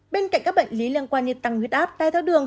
bên cạnh các bệnh lý liên quan như tăng huyết áp tai đường